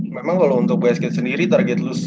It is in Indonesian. memang kalo untuk basket sendiri target lu